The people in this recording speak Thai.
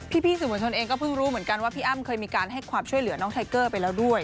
พี่สื่อมวลชนเองก็เพิ่งรู้เหมือนกันว่าพี่อ้ำเคยมีการให้ความช่วยเหลือน้องไทเกอร์ไปแล้วด้วย